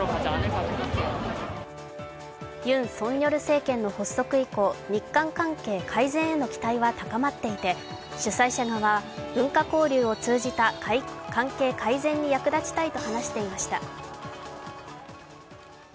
ユン・ソンニョル政権発足以降、日韓関係改善への期待は高まっていて主催者側は文化交流を通じた関係改善に役立ちたいと話していました。